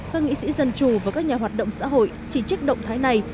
các nghị sĩ dân chủ và các nhà hoạt động xã hội chỉ trích động thái này